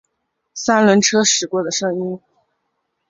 三轮车驶过的声音